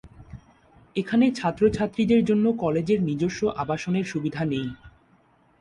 এখানে ছাত্র-ছাত্রীদের জন্য কলেজের নিজস্ব আবাসন এর সুবিধা নেই।